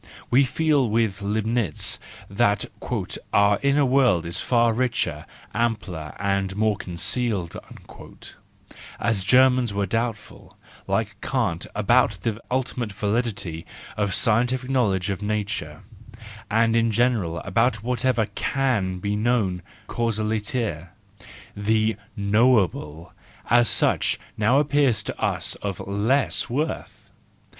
We feel with Leibnitz that "our inner world is far richer, ampler, and more concealed "; as Germans we are doubtful, like Kant, about the ultimate validity of scientific knowledge of nature, and in general about whatever can be known causaliter: the knowable as such now appears to us of less worth.